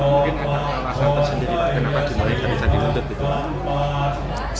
mungkin ada alasan tersendiri kenapa dimulai candi mundur